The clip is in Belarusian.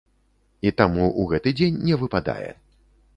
І таму ў гэты дзень не выпадае.